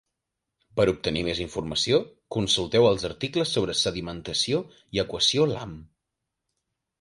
Per obtenir més informació, consulteu els articles sobre sedimentació i equació Lamm.